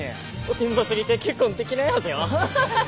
おてんばすぎて結婚できないはずよ。